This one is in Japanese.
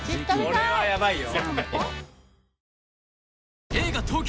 これはヤバいよ。